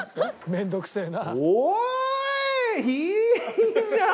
面倒くせえな。